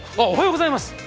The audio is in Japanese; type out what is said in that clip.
おはようございます。